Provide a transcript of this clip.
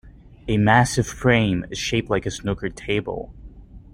A massive frame is shaped like a snooker table.